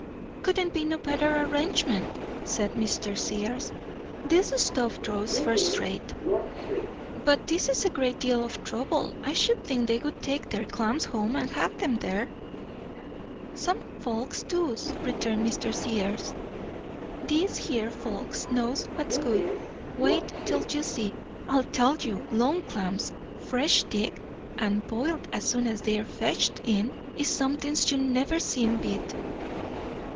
"Couldn't be no better arrangement," said Mr. Sears. "This stove draws first rate." "But this is a great deal of trouble. I should think they would take their clams home and have them there." "Some folks doos," returned Mr. Sears. "These here folks knows what's good. Wait till you see. I tell you! long clams, fresh digged, and b'iled as soon as they're fetched in, is somethin' you never see beat."